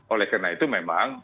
oleh karena itu memang